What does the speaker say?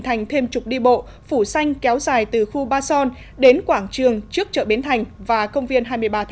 thành thêm trục đi bộ phủ xanh kéo dài từ khu ba son đến quảng trường trước chợ bến thành và công viên hai mươi ba tháng chín